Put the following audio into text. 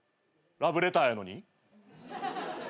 ラブレターやのに？